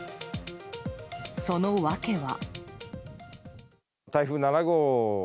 その訳は。